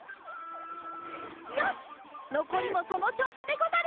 よしのこりもそのちょうしでござる。